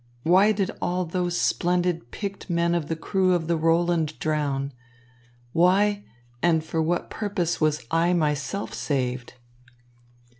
Why did all those splendid picked men of the crew of the Roland drown? Why and for what purpose was I myself saved?"